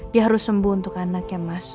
dia harus sembuh untuk anaknya mas